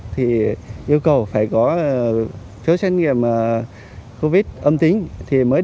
thì yêu cầu phải có chứa xét nghiệm covid âm tính mới được đưa vào nhà tạm giữ